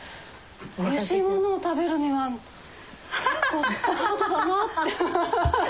おいしいものを食べるには結構ハードだなあって。